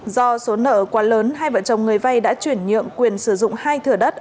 do số nợ quá lớn hai vợ chồng người vay đã chuyển nhượng quyền sử dụng hai thửa đất